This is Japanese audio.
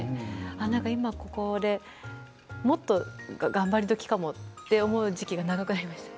なんか今これもっと頑張り時かなって思う時期が長くなりました。